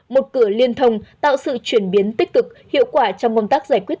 một cửa liên thông tạo sự chuyển biến tích cực hiệu quả trong công tác giải quyết